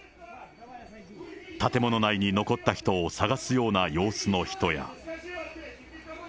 建物内に残った人を捜すような様子の人や。